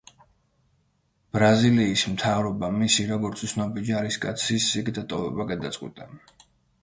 ბრაზილიის მთავრობამ მისი, როგორც უცნობი ჯარისკაცის იქ დატოვება გადაწყვიტა.